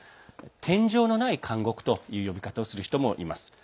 天井のない監獄という呼び方をする人もいます。